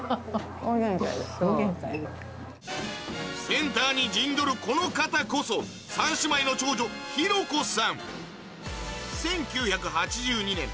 センターに陣取るこの方こそ３姉妹の長女１９８２年